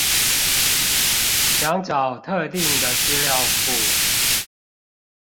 想找特定的資料庫